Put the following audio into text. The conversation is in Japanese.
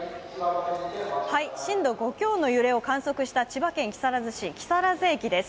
震度５強の揺れを観測した千葉県木更津市、木更津駅です。